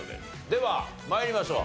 では参りましょう。